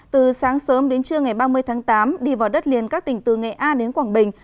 từ sáng sớm đến trưa ngày ba mươi tháng tám đi vào đất liền các tỉnh từ nghệ an đến quảng bình